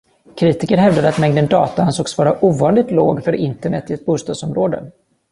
Kritiker hävdade att mängden data ansågs vara ovanligt låg för internet i ett bostadsområde.